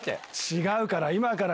違うから！